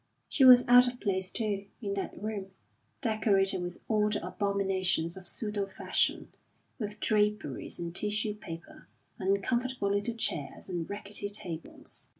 She was out of place, too, in that room, decorated with all the abominations of pseudo fashion, with draperies and tissue paper, uncomfortable little chairs and rickety tables.